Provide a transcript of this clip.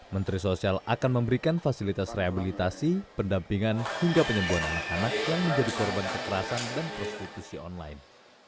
menteri sosial akan memberikan fasilitas rehabilitasi pendampingan hingga penyembuhan anak anak yang menjadi korban kekerasan dan prostitusi online